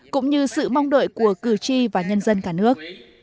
cũng như sự mong đợi của cử tri và nhân dân cả nước